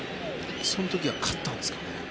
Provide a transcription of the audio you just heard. その時は勝ったんですか？